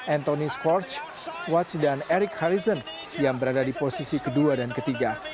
anthony scorch watch dan eric harrison yang berada di posisi kedua dan ketiga